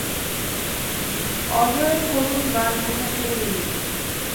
অজয়ের করুণ গান-কোথা ছেড়ে গেলি।